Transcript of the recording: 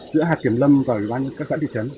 giữa hạt kiểm lâm và ủy ban các xã thị trấn